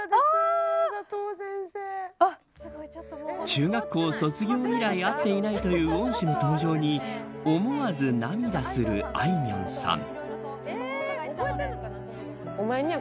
中学校卒業以来会っていないという恩師の登場に思わず涙するあいみょんさん。